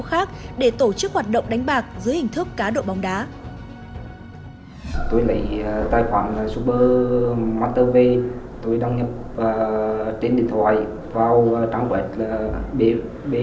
khác để tổ chức hoạt động đánh bạc dưới hình thức cá đội bóng đá tôi lấy tài khoản là super master